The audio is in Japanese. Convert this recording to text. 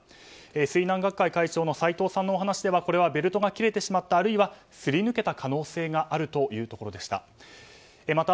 水難学会会長の斎藤さんのお話ではこれはベルトが切れてしまったあるいはすり抜けた可能性があるというところでした。